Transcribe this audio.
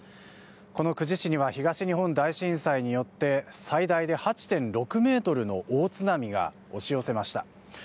この久慈市には東日本大震災によって最大で８．６メートルの大津波が押し寄せました。